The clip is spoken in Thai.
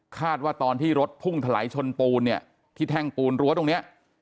ตอนที่รถพุ่งถลายชนปูนเนี่ยที่แท่งปูนรั้วตรงเนี้ย